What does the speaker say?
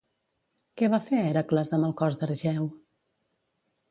Què va fer Hèracles amb el cos d'Argeu?